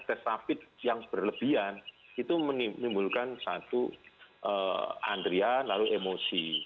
tes rapid yang berlebihan itu menimbulkan satu andrian lalu emosi